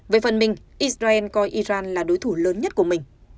về phần mình israel coi iran là đối thủ lớn nhất của mình